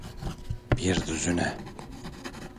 Bir düzine.